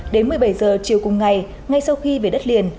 đến một mươi bảy h chiều cùng ngày ngay sau khi về đất liền